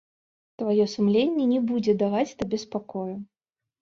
Тваё сумленне не будзе даваць табе спакою.